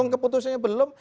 oh keputusannya belum